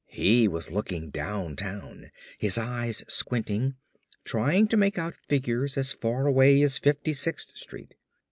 He was looking downtown, his eyes squinting, trying to make out figures as far away as Fifty sixth Street.